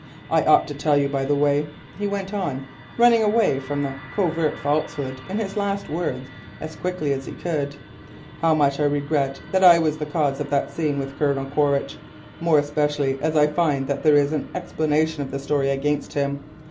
I ought to tell you, by the way," he went on, running away from the covert falsehood in his last words as quickly as he could, "how much I regret I was the cause of that scene with Colonel Quaritch, more especially as I find that there is an explanation of the story against him.